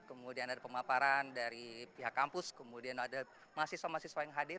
kemudian ada pemaparan dari pihak kampus kemudian ada mahasiswa mahasiswa yang hadir